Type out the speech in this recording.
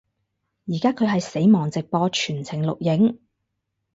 依家佢係死亡直播全程錄影